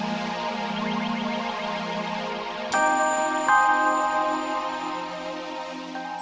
jangan lupa like subscribe dan share ya